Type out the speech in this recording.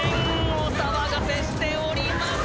お騒がせしております。